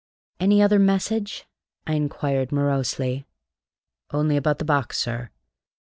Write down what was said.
"Any other message?" I inquired morosely. "Only about the box, sir.